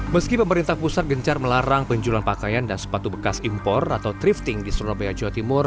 meski pemerintah pusat gencar melarang penjualan pakaian dan sepatu bekas impor atau thrifting di surabaya jawa timur